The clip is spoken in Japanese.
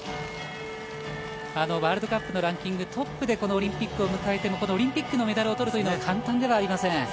ワールドカップのランキングトップでこのオリンピックを迎えてオリンピックのメダルを取るのは簡単ではありません。